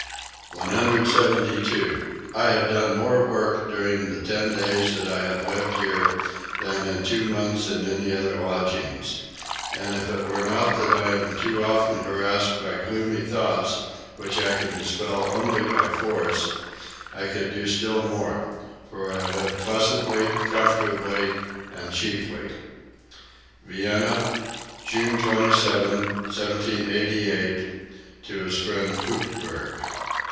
172. "I have done more work during the ten days that I have lived here than in two months in any other lodgings; and if it were not that I am too often harassed by gloomy thoughts which I can dispel only by force, I could do still more, for I live pleasantly, comfortably and cheaply." (Vienna, June 27, 1788, to his friend Puchberg.)